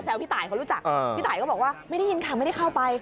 พี่ตายเขารู้จักพี่ตายก็บอกว่าไม่ได้ยินค่ะไม่ได้เข้าไป